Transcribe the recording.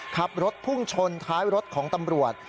ขับรถพุ่งชนท้ายรถของตำรวจ